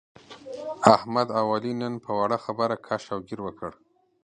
احمد او علي نن په وړه خبره کش او ګیر وکړ.